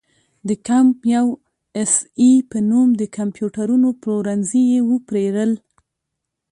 د کمپ یو اس اې په نوم د کمپیوټرونو پلورنځي یې وپېرل.